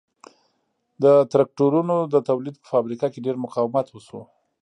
د ترکتورونو د تولید په فابریکه کې ډېر مقاومت وشو